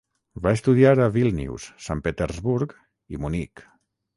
Va estudiar a Vílnius, Sant Petersburg i Munic.